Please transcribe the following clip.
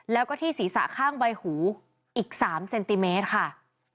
แล้วก็ที่ศีรษะข้างใบหูอีก๓เซนติเมตรค่ะ